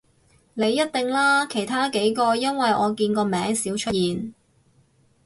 你一定啦，其他幾個因爲我見個名少出現